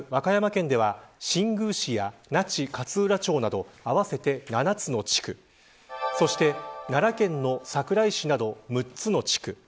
まず和歌山県では新宮市や那智勝浦町など合わせて７つの地区そして奈良県の桜井市など６つの地区